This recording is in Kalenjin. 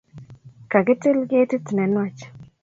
Kakitil ketit nenwach